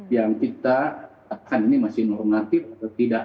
yang kita akan ini masih normatif atau tidak